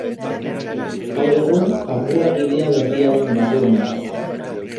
Gaur egun Papua Ginea Berriaren barruan dago.